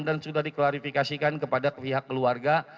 dan sudah diklarifikasikan kepada pihak keluarga